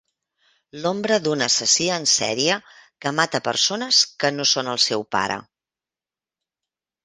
L'ombra d'un assassí en sèrie que mata persones que no són el seu pare.